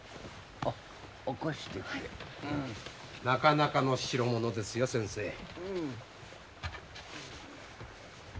なかなかの代物ですよ先生。